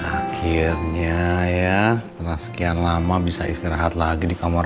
akhirnya ya setelah sekian lama bisa istirahat lagi di kamar